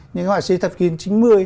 những họa sĩ thập kinh chín mươi